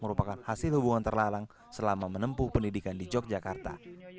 merupakan hasil hubungan terlalang selama menempuh pendidikan di yogyakarta